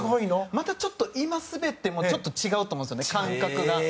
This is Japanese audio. またちょっと、今滑ってもちょっと違うと思うんですよね。